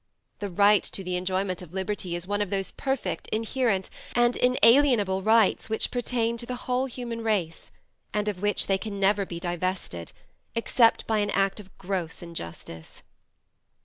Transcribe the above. The right to the enjoyment of liberty is one of those perfect, inherent, and inalienable rights which pertain to the whole human race, and of which they can never be divested, except by an act of gross injustice."